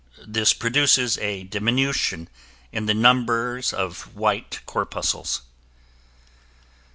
This produces a diminution in the numbers of the white corpuscles.